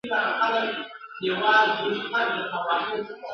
له هر درده سره مل وي سپېلنی پکښی پیدا کړي !.